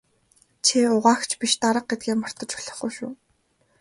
Чи угаагч биш дарга гэдгээ мартаж болохгүй шүү.